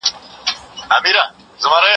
چي باران وسي خوشبویي خوره سي